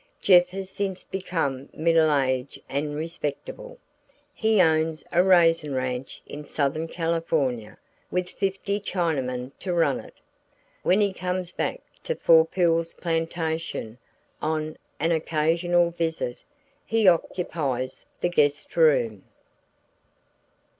Jeff has since become middle aged and respectable. He owns a raisin ranch in southern California with fifty Chinamen to run it. When he comes back to Four Pools Plantation on an occasional visit, he occupies the guest room.